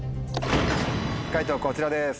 解答こちらです。